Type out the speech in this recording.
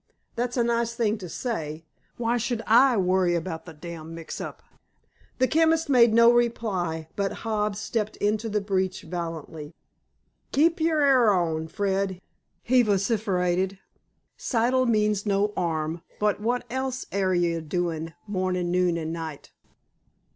"That's a nice thing to say. Why should I worry about the d—d mix up?" The chemist made no reply, but Hobbs stepped into the breach valiantly. "Keep yer 'air on, Fred," he vociferated. "Siddle means no 'arm. But wot else are yer a doing of, mornin', noon, an' night?"